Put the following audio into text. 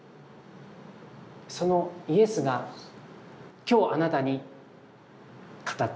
そのイエスが今日あなたに語っています。